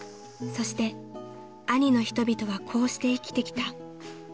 ［そして阿仁の人々はこうして生きてきた］